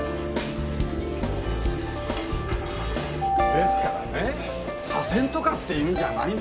ですからね左遷とかっていうんじゃないんですよ。